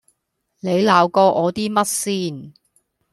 你鬧過我啲乜先